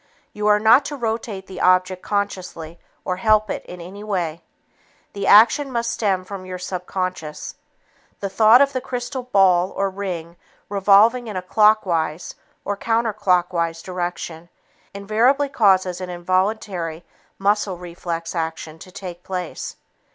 You are not to rotate the object consciously or help it in any way. The action must stem from your subconscious. The thought of the crystal ball or ring revolving in a clockwise or counterclockwise direction invariably causes an involuntary muscular reflex action to take place.